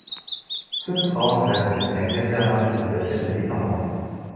Fünf Frauen halten Getränke in der Hand und lächeln in die Kamera